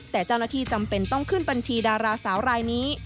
แต่เจ้าหน้าที่จำเป็นต้องขึ้นบัญชีดาราสาวรายนี้